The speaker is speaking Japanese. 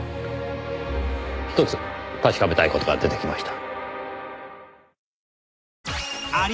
ひとつ確かめたい事が出てきました。